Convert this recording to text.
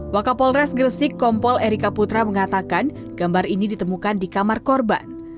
wakapolres gresik kompol erika putra mengatakan gambar ini ditemukan di kamar korban